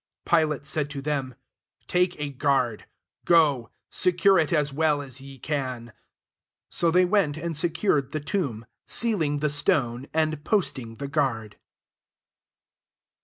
65 Pilate said to them, < Take a guard : go, secure ii as well as ye can." 66 So they went and secured the tomb; sealing the stone, and posting the guard.